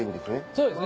そうですね。